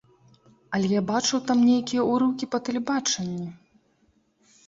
Але я бачыў там нейкія ўрыўкі па тэлебачанні.